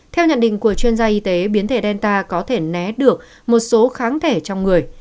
theo nhận định của chuyên gia y tế biến thể delta có thể né được một số kháng thể trong người